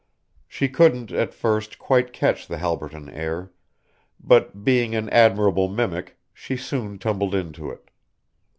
She couldn't, at first, quite catch the Halberton air, but, being an admirable mimic, she soon tumbled into it.